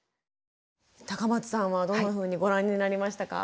高松さんはどんなふうにご覧になりましたか？